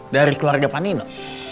dari keluarga panino